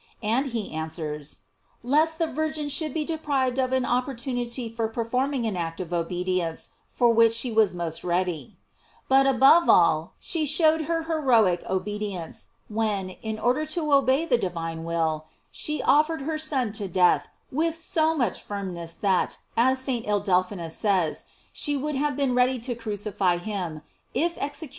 And he answers: Lest the Virgin should be deprived of an opportunity for performing an act of obedience for which she was most ready. J But above all, she showed her heroic obedience, when, in order to obey the divine will, she offer ed her Son to death with so much firmness that, as St. Ildephonsus says, she would have been ready to crucify him, if executioners had been * Anima mea liquefacta est, ut dilectus meus locutus est.